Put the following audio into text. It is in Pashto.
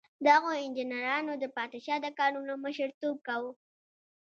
دغو انجینرانو د پادشاه د کارونو مشر توب کاوه.